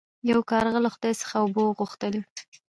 یو کارغه له خدای څخه اوبه وغوښتلې.